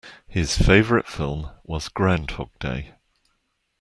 His favourite film was Groundhog Day